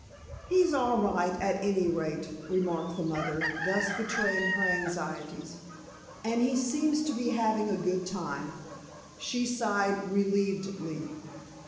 "He's all right, at any rate," remarked the mother, thus betraying her anxieties. "And he seems to be having a good time," she sighed relievedly.